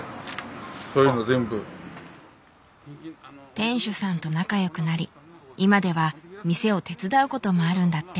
店主さんと仲良くなり今では店を手伝うこともあるんだって。